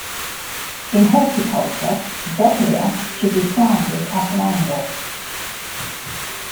In horticulture, "Dudleya" should be planted at an angle.